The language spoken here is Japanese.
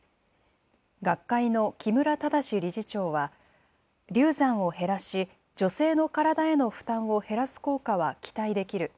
学会の木村正理事長は、流産を減らし、女性の体への負担を減らす効果は期待できる。